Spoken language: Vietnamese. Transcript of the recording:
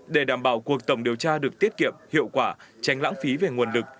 để đảm bảo cuộc tổng điều tra được tiết kiệm hiệu quả tránh lãng phí về nguồn lực